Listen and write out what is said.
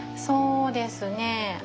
そうですね。